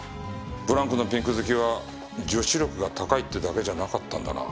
ブランクのピンク好きは女子力が高いってだけじゃなかったんだな。